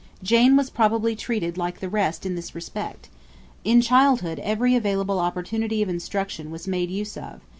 Jane was probably treated like the rest in this respect. In childhood every available opportunity of instruction was made use of.